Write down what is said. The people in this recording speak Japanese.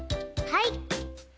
はい。